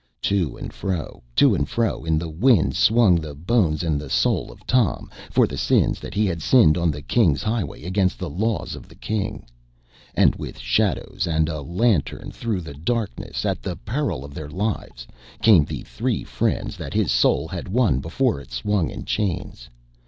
To and fro, to and fro in the winds swung the bones and the soul of Tom, for the sins that he had sinned on the King's highway against the laws of the King; and with shadows and a lantern through the darkness, at the peril of their lives, came the three friends that his soul had won before it swung in chains.